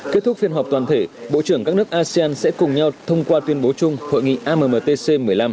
kết thúc phiên họp toàn thể bộ trưởng các nước asean sẽ cùng nhau thông qua tuyên bố chung hội nghị ammtc một mươi năm